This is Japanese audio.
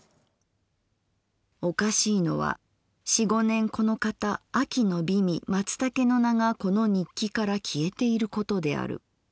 「おかしいのは四五年このかた秋の美味松茸の名がこの日記から消えていることである。